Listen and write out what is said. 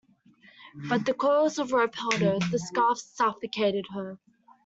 But the coils of rope held her; the scarf suffocated her.